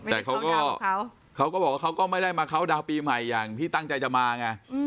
แต่เขาก็เขาก็บอกว่าเขาก็ไม่ได้มาเข้าดาวน์ปีใหม่อย่างที่ตั้งใจจะมาไง